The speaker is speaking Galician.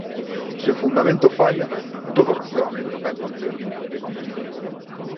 Se o fundamento falla, todo o razoamento cae por terra.